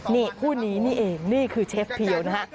นี่คู่นี้นี่เองนี่คือเชฟเพียวนะฮะ